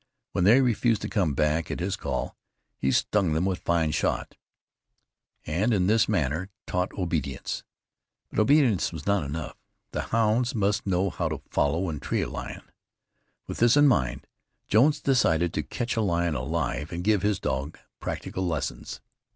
When they refused to come back at his call, he stung them with fine shot, and in this manner taught obedience. But obedience was not enough; the hounds must know how to follow and tree a lion. With this in mind, Jones decided to catch a lion alive and give his dogs practical lessons.